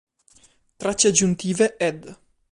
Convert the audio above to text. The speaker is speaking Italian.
Tracce aggiuntive Ed.